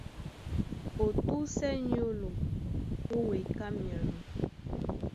Ó túsɛ nyólo, ó weka myano.